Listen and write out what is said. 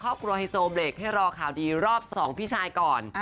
และครอบครัวเฮซโทเบรกให้รอดีรอบ๒พี่ชายก่อน